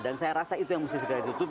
dan saya rasa itu yang mesti segera ditutup